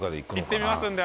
行ってみますんで。